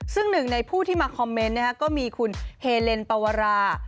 ซึ่งหนึ่งในผู้ที่มาคอมเมนต์ก็มีคุณเฮเลนปวรา